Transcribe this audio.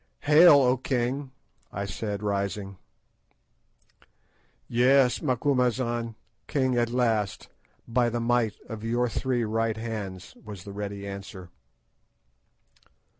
"Hail, O king!" I said, rising. "Yes, Macumazahn. King at last, by the might of your three right hands," was the ready answer.